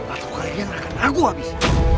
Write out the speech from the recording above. atau kalian akan naku habis